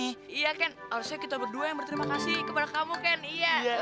iya ken harusnya kita berdua yang berterima kasih kepada kamu ken iya